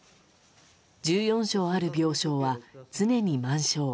１４床ある病床は常に満床。